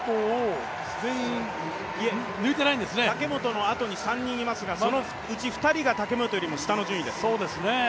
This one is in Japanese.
武本のあとに３人いますがそのうち２人が武本よりも下の順位です。